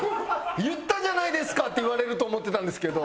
「言ったじゃないですか」って言われると思ってたんですけど。